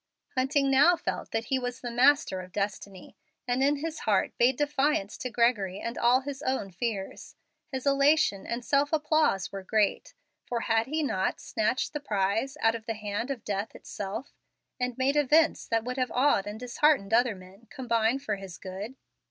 Hunting now felt that he was master of destiny, and in his heart bade defiance to Gregory and all his own fears. His elation and self applause were great, for had he not snatched the prize out of the hand of death itself, and made events that would have awed and disheartened other men combine for his good?